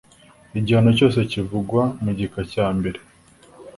Igihano cyose kivugwa mu gika cya mbere